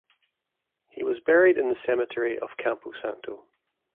He was buried in the Cemetery of Campo Santo.